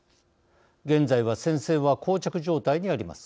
現在は、戦線はこう着状態にあります。